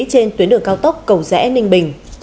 trên tuyến đường cao tốc cầu rẽ ninh bình